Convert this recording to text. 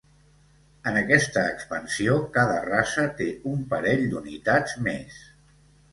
En aquesta expansió cada raça té un parell d'unitats més.